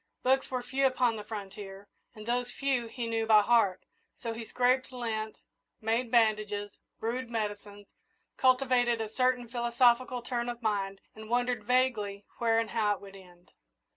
Books were few upon the frontier, and those few he knew by heart; so he scraped lint, made bandages, brewed medicines, cultivated a certain philosophical turn of mind, and wondered vaguely where and how it would end.